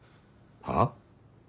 はっ？